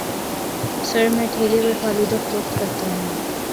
سر میں ٹھیلے پر فالودہ فروخت کرتا ہوں